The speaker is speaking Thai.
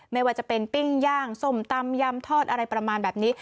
ไม่ว่าจะเป็นปิ้งย่างส้มตำยำทอดอะไรประมาณแบบนี้